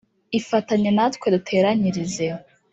Ifatanye natwe duteranyirize